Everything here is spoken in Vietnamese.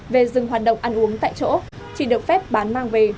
về dừng hoạt động ăn uống tại chỗ